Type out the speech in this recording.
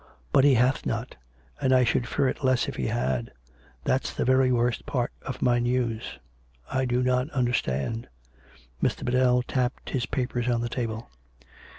But he hath not, and I should fear it less if he had. That's the very worst part of my news." " I do not understand " Mr. Biddell tapped his papers on the table.